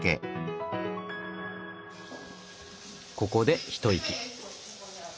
ここで一息。